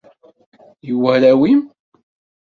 I warraw-im!